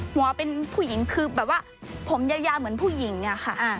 หัวเป็นผู้หญิงคือแบบว่าผมยาวเหมือนผู้หญิงเนี่ยค่ะ